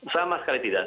sama sekali tidak